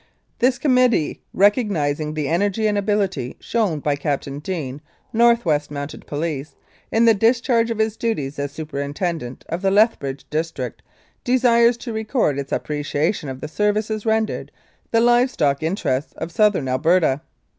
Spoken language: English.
"'This Committee recognising the energy and ability shown by Captain Deane, N.W.M. Police, in the discharge of his duties as Superintendent of the Lethbridge District, desires to record its appreciation of the services rendered the Live Stock Interests of Southern Alberta.'